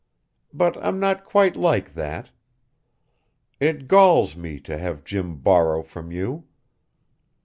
But I'm not quite like that. It galls me to have Jim borrow from you.